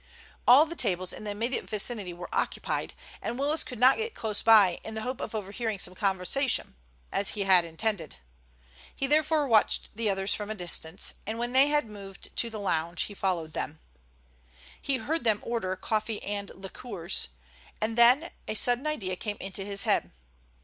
All the tables in the immediate vicinity were occupied, and Willis could not get close by in the hope of overhearing some of the conversation, as he had intended. He therefore watched the others from a distance, and when they had moved to the lounge he followed them. He heard them order coffee and liqueurs, and then a sudden idea came into his head.